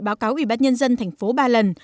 báo cáo ủy ban nhân dân thành phố ba lần